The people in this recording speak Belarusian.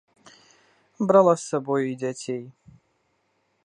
Брала з сабою і дзяцей.